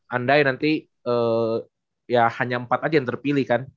andai nanti ya hanya empat aja yang terpilih kan